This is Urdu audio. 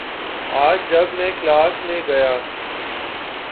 آج جب میں کلاس میں گیا